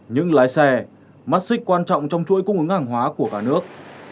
những lái xe mắt xích quan trọng trong chuỗi cung ứng hàng hóa của cả nước